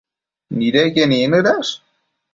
nidequien icnëdash